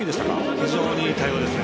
非常にいい対応ですね。